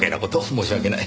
申し訳ない。